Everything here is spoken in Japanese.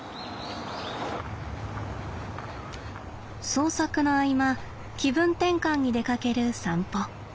創作の合間気分転換に出かける散歩。